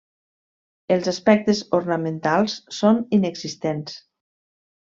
Els aspectes ornamentals són inexistents.